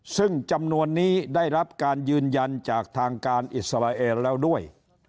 ซึ่งจำนวนนี้ได้รับการยืนยันจากทางการอิสราเอลแล้วด้วย